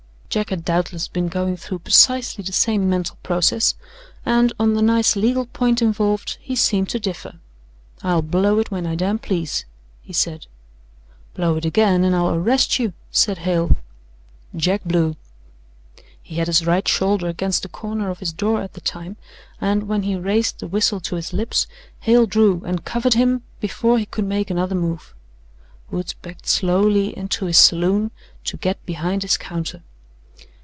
Jack had doubtless been going through precisely the same mental process, and, on the nice legal point involved, he seemed to differ. "I'll blow it when I damn please," he said. "Blow it again and I'll arrest you," said Hale. Jack blew. He had his right shoulder against the corner of his door at the time, and, when he raised the whistle to his lips, Hale drew and covered him before he could make another move. Woods backed slowly into his saloon to get behind his counter.